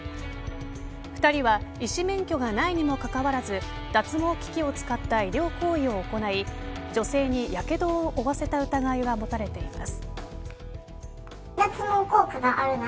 ２人は医師免許がないにもかかわらず脱毛機器を使った医療行為を行い女性にやけどを負わせた疑いが持たれています。